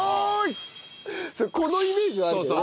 このイメージはあるけどね。